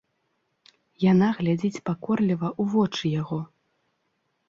Яна глядзіць пакорліва ў вочы яго.